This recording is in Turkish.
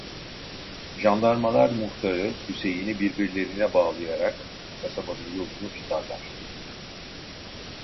Jandarmalar muhtarı, Hüseyin'i birbirlerine bağlayarak kasabanın yolunu tutarlar.